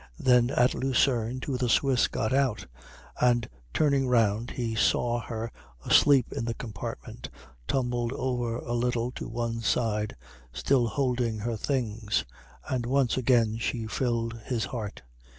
Then at Lucerne two of the Swiss got out, and turning round he saw her asleep in the compartment, tumbled over a little to one side, still holding her things, and once again she filled his heart.